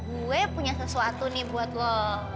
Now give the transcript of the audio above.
gue punya sesuatu nih buat gue